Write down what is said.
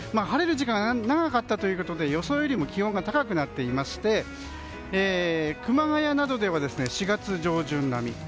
晴れる時間が長かったということで予想よりも気温が高くなっていまして熊谷などでは４月上旬並み。